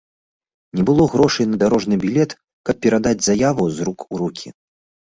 Не было грошай на дарожны білет, каб перадаць заяву з рук у рукі.